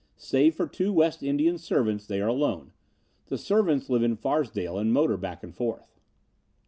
Save for two West Indian servants, they are alone. The servants live in Farsdale and motor back and forth."